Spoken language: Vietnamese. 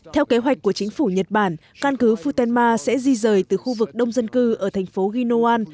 theo kế hoạch của chính phủ nhật bản căn cứ futenma sẽ di rời từ khu vực đông dân cư ở thành phố ginowan